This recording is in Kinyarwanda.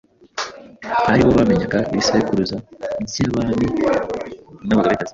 ari bo bamenyaga ibisekuruza by'Abami n'Abagabekazi.